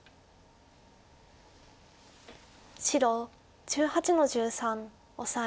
白１８の十三オサエ。